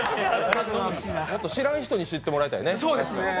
あと、知らん人に知ってもらいたいね。